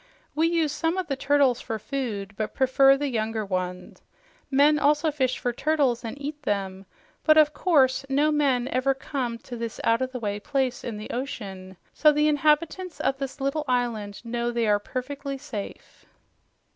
We use some of the turtles for food, but prefer the younger ones. Men also fish for turtles and eat them, but of course no men ever come to this out of the way place in the ocean, so the inhabitants of this little island know they are perfectly safe."